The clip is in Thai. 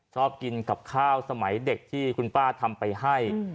ชอบกินกับข้าวสมัยเด็กที่คุณป้าทำไปให้